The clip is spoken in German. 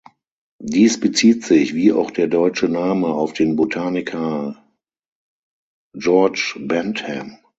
Dies bezieht sich, wie auch der deutsche Name, auf den Botaniker George Bentham.